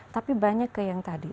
tapi banyak yang tadi